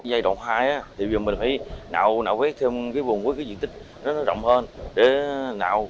giai đoạn hai thì mình phải nạo vết thêm vùng với diện tích nó rộng hơn